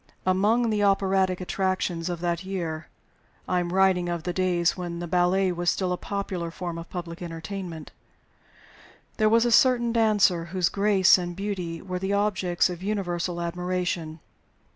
Among the operatic attractions of that year I am writing of the days when the ballet was still a popular form of public entertainment there was a certain dancer whose grace and beauty were the objects of universal admiration.